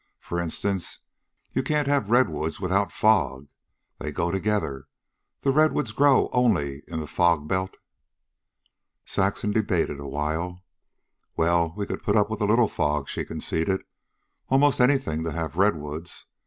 "For instance, you can't have redwoods without fog. They go together. The redwoods grow only in the fog belt." Saxon debated a while. "Well, we could put up with a little fog," she conceded, " almost anything to have redwoods.